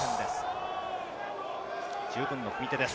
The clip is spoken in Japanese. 十分の組み手です。